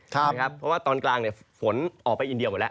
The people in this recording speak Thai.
เพราะว่าตอนกลางฝนออกไปอินเดียหมดแล้ว